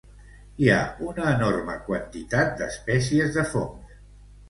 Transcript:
Hi ha una enorme quantitat d'espècies de fongs.